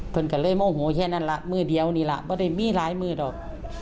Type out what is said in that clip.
เพราะงั้นเลยโมโหว่แค่นั้นล่ะมือเดียวนี่ล่ะไม่ได้มีรายมือหรอก